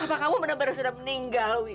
apakah kamu benar benar sudah meninggal wi